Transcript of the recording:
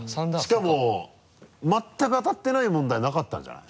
しかも全く当たってない問題なかったんじゃない？